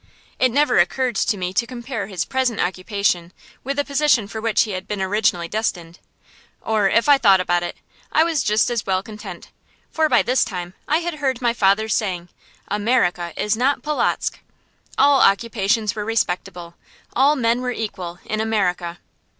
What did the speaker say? It never occurred to me to compare his present occupation with the position for which he had been originally destined; or if I thought about it, I was just as well content, for by this time I had by heart my father's saying, "America is not Polotzk." All occupations were respectable, all men were equal, in America.